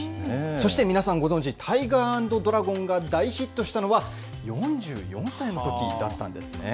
そして、皆さんご存じ、タイガー＆ドラゴンが大ヒットしたのは、４４歳のときだったんですね。